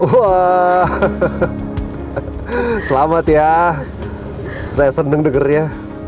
wah selamat ya saya seneng dengernya